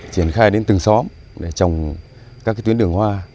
triển khai đến từng xóm để trồng các tuyến đường hoa